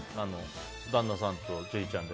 旦那さんと千里ちゃんで。